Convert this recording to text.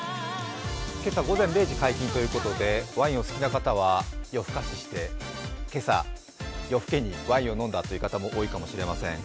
今朝午前０時解禁ということでワインがお好きな方は夜更かしして今朝夜更けにワインを飲んだという方も多いかもしれません。